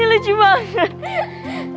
ini lucu banget